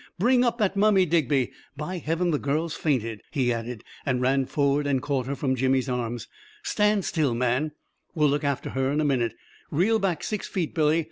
Bring up that mummy, Digby ! By heaven, the girl's fainted !" he added, and ran for ward and caught her from Jimmy's arms. " Stand still, man I We'll look after her in a minute. Reel back six feet, Billy.